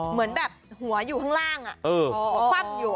เหมือนแบบหัวอยู่ข้างล่างหัวคว่ำอยู่